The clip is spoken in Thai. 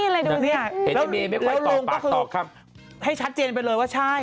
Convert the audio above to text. แล้วลงก็คือให้ชัดเจนไปเลยว่าใช่